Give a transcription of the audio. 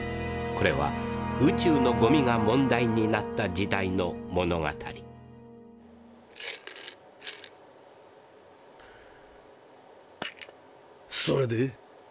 これは宇宙のゴミが問題になった時代の物語それで？